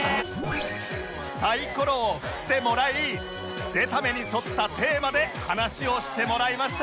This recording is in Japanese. サイコロを振ってもらい出た目に沿ったテーマで話をしてもらいました